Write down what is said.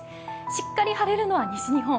しっかり晴れるのは西日本。